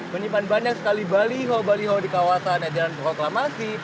menyimpan banyak sekali baliho baliho di kawasan jalan proklamasi